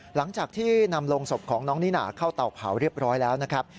หลังจากที่นำลงศพของน้องนิน่าเข้าเตาเผาเรียบร้อยแล้วนะครับ